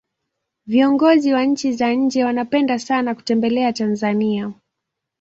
viongozi wa nchi za nje wanapenda sana kutembelea tanzania